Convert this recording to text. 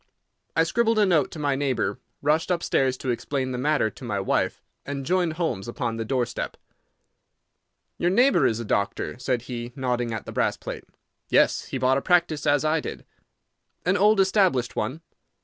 I scribbled a note to my neighbour, rushed upstairs to explain the matter to my wife, and joined Holmes upon the door step. "Your neighbour is a doctor," said he, nodding at the brass plate. "Yes; he bought a practice as I did." "An old established one?"